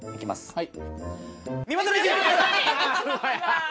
はい。